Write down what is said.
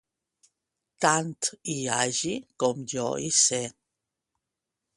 Tant hi hagi com jo hi sé.